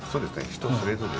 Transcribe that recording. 人それぞれです。